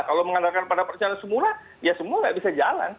kalau mengandalkan pada perencanaan semula ya semua nggak bisa jalan